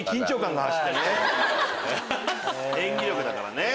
演技力だからね。